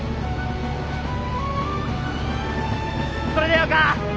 それでよか！